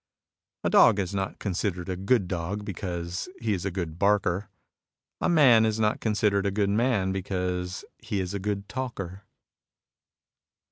A dog is not considered a good dog because he is a good barker. A man is not considered a good man because he is a good talker.